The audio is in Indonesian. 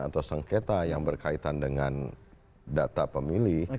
atau sengketa yang berkaitan dengan data pemilih